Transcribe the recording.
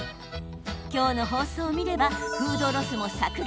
今日の放送を見ればフードロスも削減。